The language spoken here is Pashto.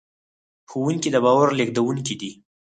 ښوونکي د باور لېږدونکي دي.